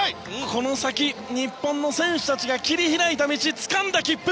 この先、日本の選手たちが切り開いた道つかんだ切符！